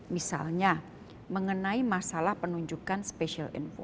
misalnya mengenai masalah penunjukan special info